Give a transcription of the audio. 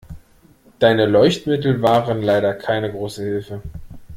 Deine Leuchtmittel waren leider keine große Hilfe.